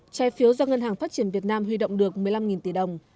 trái phiếu do ngân hàng phát triển việt nam huy động được một mươi năm tỷ đồng